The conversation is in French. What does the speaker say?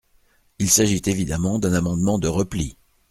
Il s’agit évidemment d’un amendement de repli.